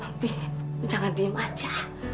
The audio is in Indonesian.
mami jangan diem aja